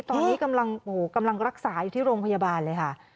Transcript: ตอนนี้กำลังรักษาอยู่ที่โรงพยาบาลเลยค่ะ